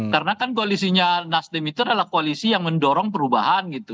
karena kan koalisinya nasdem itu adalah koalisi yang mendorong perubahan gitu